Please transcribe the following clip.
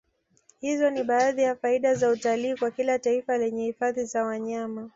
Hizo ni baadhi ya faida za utalii kwa kila taifa lenye hifadhi za wanyama